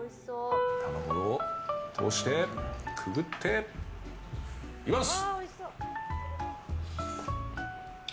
卵を通して、くぐっていきます！